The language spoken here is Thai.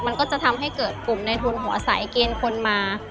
มันก็จะทำให้เกิดกลุ่มในทุนหัวใสเกณฑ์คนมา